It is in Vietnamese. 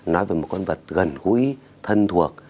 nói về một con vật gần húi thân thuộc